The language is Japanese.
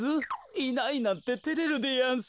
いないなんててれるでやんす。